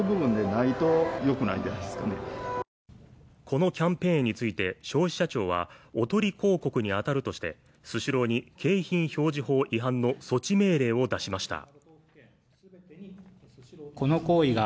このキャンペーンについて消費者庁は、おとり広告に当たるとしてスシローに景品表示法違反の措置命令を出しました。